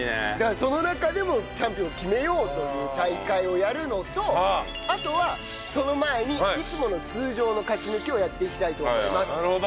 その中でもチャンピオンを決めようという大会をやるのとあとはその前にいつもの通常の勝ち抜きをやっていきたいと思います。